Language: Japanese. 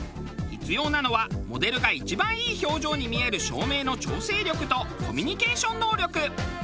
必要なのはモデルが一番いい表情に見える照明の調整力とコミュニケーション能力。